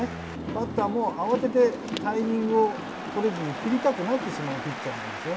バッターも慌てて、タイミングを取れずに、振りたくなってしまうピッチャーなんですね。